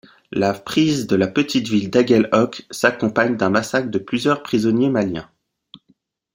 La prise de la petite ville d'Aguel'hoc s'accompagne d'un massacre de plusieurs prisonniers maliens.